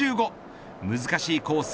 難しいコース